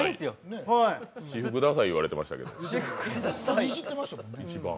私服ださいって言われていましたけれども。